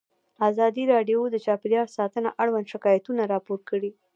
ازادي راډیو د چاپیریال ساتنه اړوند شکایتونه راپور کړي.